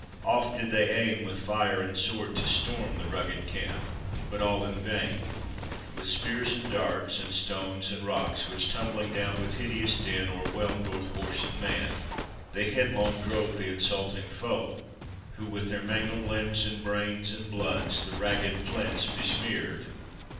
Oft did they aim With fire and sword to storm the rugged camp, But all in vain. With spears, and darts, and stones, And rocks, which tumbling down with hideous din, O'erwhelm'd both horse and man, they headlong drove POEMS ON OR ABOUT THE MACLEANS. 128 Th Insulting foe; who with their mangled limbs, And brains, and blood, the ragged flints besmeared.